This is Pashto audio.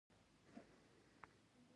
دغه موټر له کاره لوېدلی.